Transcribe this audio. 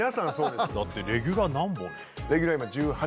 だってレギュラー何本よ？